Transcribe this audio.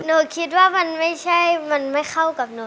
หนูคิดว่ามันไม่ใช่มันไม่เข้ากับหนู